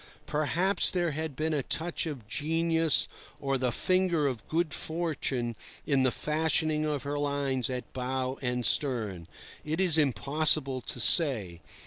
Perhaps there had been a touch of genius or the finger of good fortune in the fashioning of her lines at bow and stern. It is impossible to say.